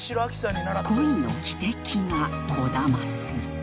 恋の汽笛がこだまする